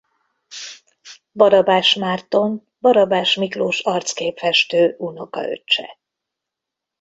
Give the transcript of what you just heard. Barabás Márton Barabás Miklós arcképfestő unokaöccse.